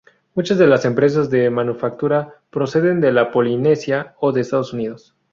Muchas de las empresas de manufactura proceden de la Polinesia o de Estados Unidos.